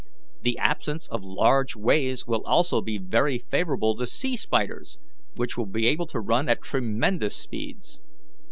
The absence of large waves will also be very favourable to sea spiders, which will be able to run at tremendous speeds.